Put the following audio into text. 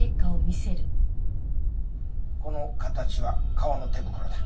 この形は革の手袋だ。